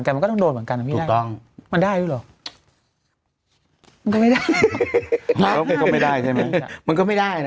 มันก็ไม่ได้นะ